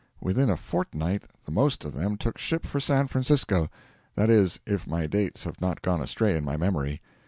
Within a fortnight the most of them took ship for San Francisco; that is, if my dates have not gone astray in my memory.